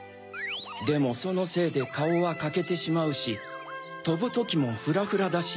でもそのせいでカオはかけてしまうしとぶときもフラフラだし。